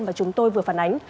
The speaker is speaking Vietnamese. mà chúng tôi vừa phản ánh